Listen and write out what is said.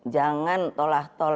jangan tolah toleh lagi